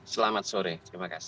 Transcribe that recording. selamat sore terima kasih